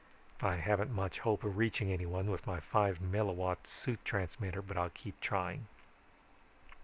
I haven't much hope of reaching anyone with my five milliwatt suit transmitter but I'll keep trying.